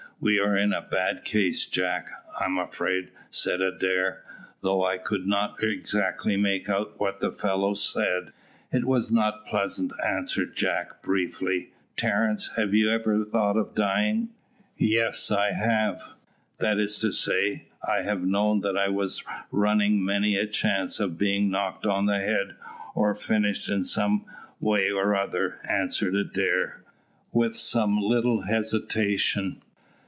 "We are in a bad case, Jack, I am afraid," said Adair, "though I could not exactly make out what the fellows said." "It was not pleasant," answered Jack, briefly. "Terence, have you ever thought of dying?" "Yes, I have; that is to say, I have known that I was running many a chance of being knocked on the head or finished in some way or other," answered Adair, with some little hesitation.